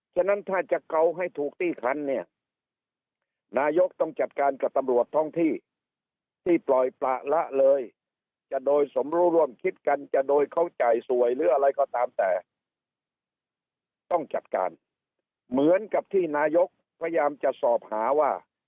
ฉะนั้นถ้าจะเกาให้ถูกตี้ครั้นเนี่ยเมื่อนกับที่นายกพยามจะสอบหาว่า